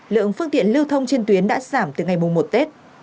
lượng phương tiện lưu thông trên tuyến đã giảm từ ngày mùng một tết